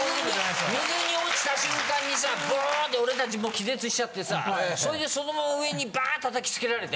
水に落ちた瞬間にさバーンって俺たち気絶しちゃってさそいでそのまま上にバーッ叩きつけられて。